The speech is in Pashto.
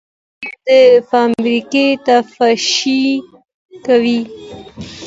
مدیر د فابریکې تفتیش کوي.